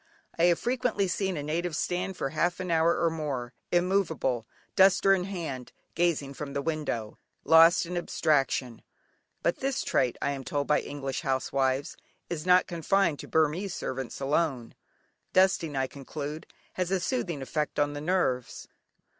I have frequently seen a native stand for half an hour or more, immovable, duster in hand, gazing from the window, lost in abstraction. But this trait, I am told by English housewives, is not confined to Burmese servants alone. Dusting, I conclude, has a soothing effect on the nerves.